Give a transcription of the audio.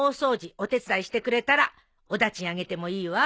お手伝いしてくれたらお駄賃あげてもいいわ。